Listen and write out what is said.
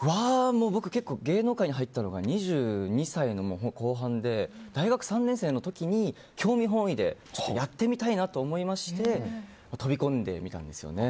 僕、芸能界に入ったのが２２歳の後半で大学３年生の時に興味本位でやってみたいと思って飛び込んでみたんですよね。